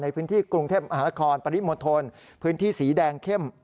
ในพื้นที่กรุงเทพมหานครปริมณฑลพื้นที่สีแดงเข้ม